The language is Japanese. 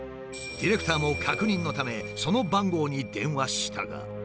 ディレクターも確認のためその番号に電話したが。